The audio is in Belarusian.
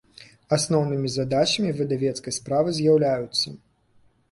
Асноўнымi задачамi выдавецкай справы з’яўляюцца.